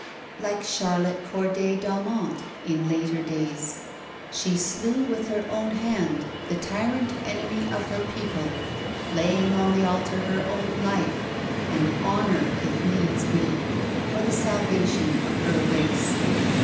Like Char lotte Corday d'Aumont in later days, she slew with her own hand the tyrant enemy of her people, laying on the altar her own life, and honour if needs be, for the salvation of her race.